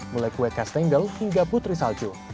mulai kue castangle hingga putri salju